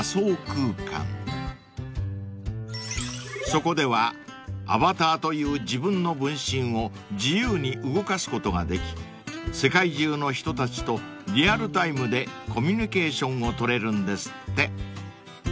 ［そこではアバターという自分の分身を自由に動かすことができ世界中の人たちとリアルタイムでコミュニケーションを取れるんですって］